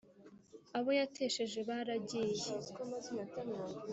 Abo yatesheje baragiye